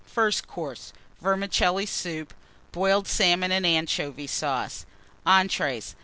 FIRST COURSE. Vermicelli Soup. Boiled Salmon and Anchovy Sauce. ENTREES.